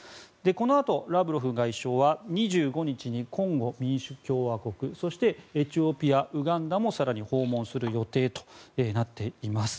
このあとラブロフ外相は２５日にコンゴ民主共和国そしてエチオピア、ウガンダも更に訪問する予定となっています。